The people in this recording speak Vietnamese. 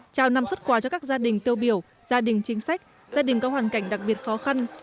trao năm xuất quà cho các gia đình tiêu biểu gia đình chính sách gia đình có hoàn cảnh đặc biệt khó khăn